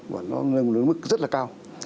và nó nâng lên một mức rất là cao